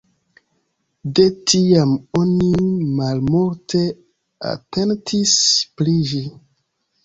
De tiam oni malmulte atentis pri ĝi.